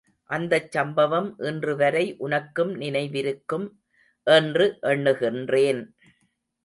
அந்தச் சம்பவம் இன்றுவரை உனக்கும் நினைவிருக்கும் என்று எண்ணுகின்றேன்.